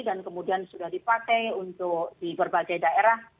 dan kemudian sudah dipakai untuk di berbagai daerah